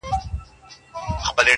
ويل درې مياشتي چي كړې مي نشه ده!.